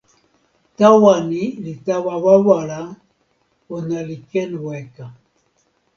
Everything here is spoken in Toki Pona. tawa ni li tawa wawa la, ona li ken weka.